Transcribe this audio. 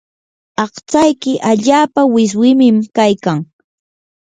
aqtsayki allaapa wiswimim kaykan.